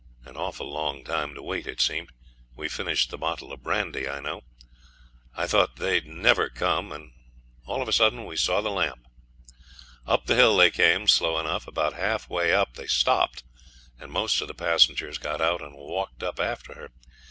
An awful long time to wait, it seemed. We finished the bottle of brandy, I know. I thought they never would come, when all of a sudden we saw the lamp. Up the hill they came slow enough. About half way up they stopped, and most of the passengers got out and walked up after her.